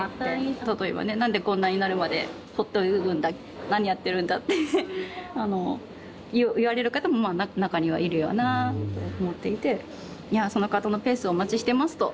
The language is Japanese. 例えばね何でこんなになるまで放っておくんだ何やってるんだってあの言われる方もまあ中にはいるよなぁと思っていていやその方のペースをお待ちしてますと。